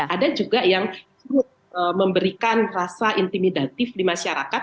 ada juga yang memberikan rasa intimidatif di masyarakat